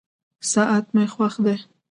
ساعت مي خوښ دی.